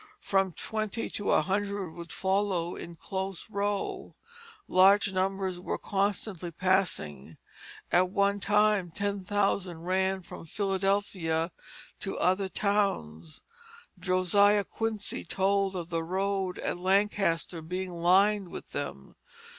From twenty to a hundred would follow in close row. Large numbers were constantly passing. At one time ten thousand ran from Philadelphia to other towns. Josiah Quincy told of the road at Lancaster being lined with them.